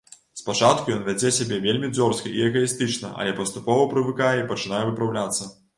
Спачатку ён вядзе сябе вельмі дзёрзка і эгаістычна, але паступова прывыкае і пачынае выпраўляцца.